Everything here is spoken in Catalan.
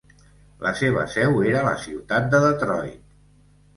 La seva seu era a la ciutat de Detroit.